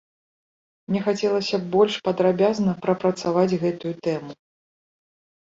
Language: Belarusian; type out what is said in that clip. Мне хацелася б больш падрабязна прапрацаваць гэтую тэму.